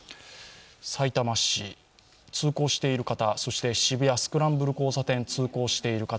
さいたま市通行している方そして渋谷、スクランブル交差点通行している方